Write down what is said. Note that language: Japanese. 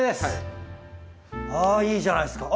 あいいじゃないですか。